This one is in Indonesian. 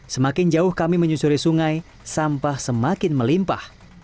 semakin jauh kami menyusuri sungai sampah semakin melimpah